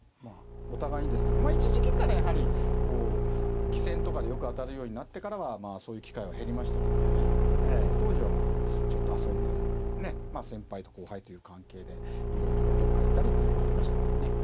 お互いにですけどまあ一時期からやはりこう棋戦とかでよく当たるようになってからはまあそういう機会は減りましたけどもね当時はまあちょっと遊んだり先輩と後輩という関係でいろいろどっか行ったりっていうのもありましたけどね。